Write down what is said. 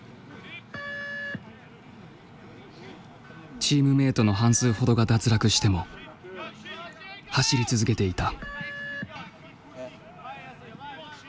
チームメートの半数ほどが脱落しても走り続けていた。